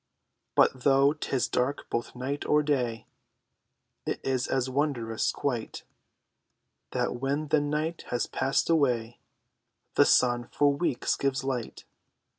But though 'tis dark both night or day It is as wondrous quite That when the night has passed away, The sun for weeks gives light.